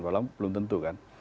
belum tentu kan